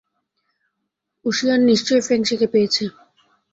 ঊশিয়ান নিশ্চয়ই ফেংশিকে পেয়েছে।